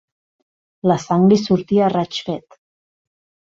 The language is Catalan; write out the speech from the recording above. La sang li sortia a raig fet.